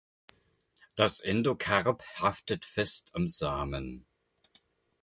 Das Endokarp haftet fest am Samen.